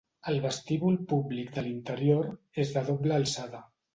El vestíbul públic de l'interior és de doble alçada.